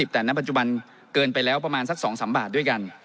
แต่ณปัจจุบันเกินไปแล้วประมาณสัก๒๓บาทด้วยกัน